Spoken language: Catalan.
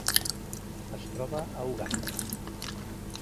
Es troba a Uganda.